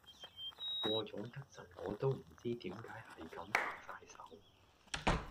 過咗一陣我都唔知點解係咁拍曬手